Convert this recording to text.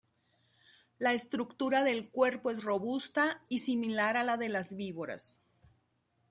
La estructura del cuerpo es robusta y similar a la de las víboras.